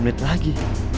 sepuluh menit lagi